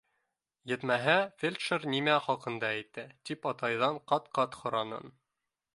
Етмәһә, фельдшер нимә хаҡында әйтте, тип атайҙан ҡат-ҡат һораның.